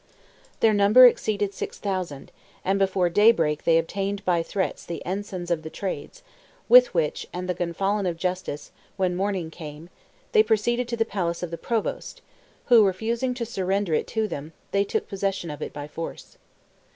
Their number exceeded six thousand, and before daybreak they obtained by threats the ensigns of the trades, with which and the Gonfalon of Justice, when morning came, they proceeded to the palace of the provost, who refusing to surrender it to them, they took possession of it by force.